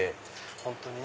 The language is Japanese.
本当にね